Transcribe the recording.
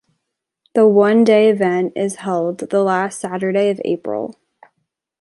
The one day event is held the last Saturday of April.